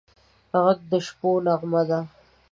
غږ د شپو نغمه ده